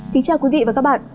xin chào quý vị và các bạn